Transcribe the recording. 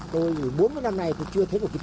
tôi bốn mươi năm này tôi chưa thấy một cái tuyết